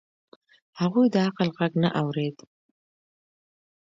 هغوی د عقل غږ نه اورېد.